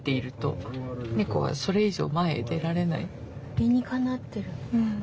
理にかなってる。